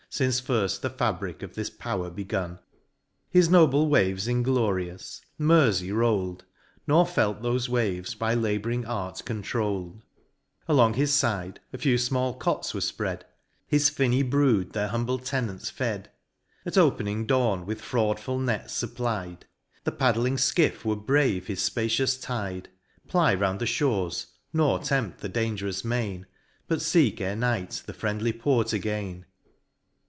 Since iirft the fabric of this power begun ; His noble waves inglorious, Mersey roll'd, Nor felt thofe waves by labouring art controul'd ; Along his fide a few fmall cots were fpread, His finny brood their humble tenants fed ; At opening dawn with fraudful nets fupply'd, The paddling fkiff would brave his fpacious tide, Ply round the fhores, nor tempt the dangerous main, But feek ere night the friendly port again.